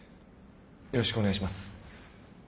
よろしくお願いします。